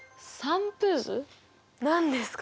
何ですか？